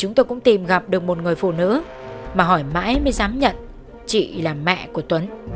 chúng tôi cũng tìm gặp được một người phụ nữ mà hỏi mãi mới dám nhận chị là mẹ của tuấn